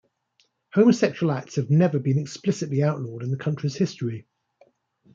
Homosexual acts have never been explicitly outlawed in the country's history.